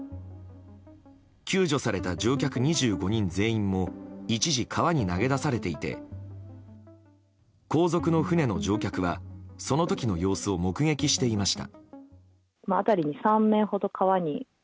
救助された乗客２５人全員も一時、川に投げ出されていて後続の船の乗客はその時の様子を目撃していました。